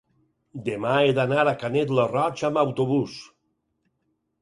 Demà he d'anar a Canet lo Roig amb autobús.